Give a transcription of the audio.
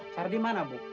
kardi mana bu